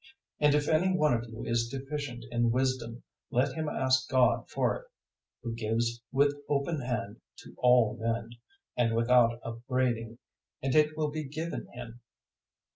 001:005 And if any one of you is deficient in wisdom, let him ask God for it, who gives with open hand to all men, and without upbraiding; and it will be given him.